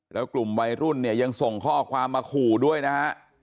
แล้วกลุ่มวัยรุ่นเนี่ยยังส่งข้อความมาขู่ด้วยนะฮะ